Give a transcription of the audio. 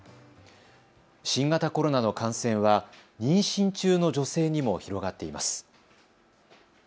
新型コロナの感染は妊娠中の女性にも広がっています。